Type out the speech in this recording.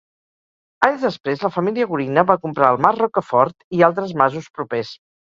Anys després la família Gorina va comprar el mas Rocafort i altres masos propers.